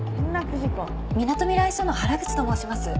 みなとみらい署の原口と申します。